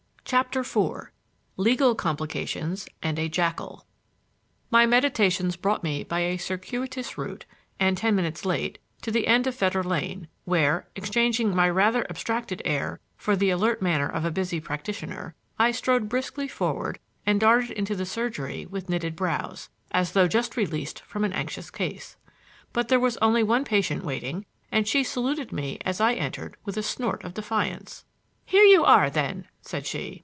CHAPTER IV LEGAL COMPLICATIONS AND A JACKAL My meditations brought me by a circuitous route, and ten minutes late, to the end of Fetter Lane, where, exchanging my rather abstracted air for the alert manner of a busy practitioner, I strode briskly forward and darted into the surgery with knitted brows, as though just released from an anxious case. But there was only one patient waiting, and she saluted me as I entered with a snort of defiance. "Here you are, then?" said she.